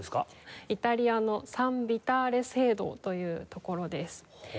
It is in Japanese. イタリアのサン・ヴィターレ聖堂という所です。